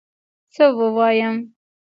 څه ووایم